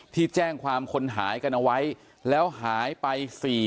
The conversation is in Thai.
ที่แจ้งความคนหายกันเอาไว้แล้วหายไป